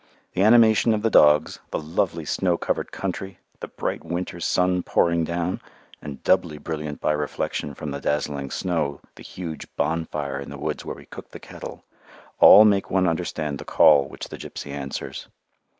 The animation of the dogs, the lovely snow covered country, the bright winter's sun pouring down, and doubly brilliant by reflection from the dazzling snow, the huge bonfire in the woods where we "cooked the kettle," all make one understand the call which the gipsy answers.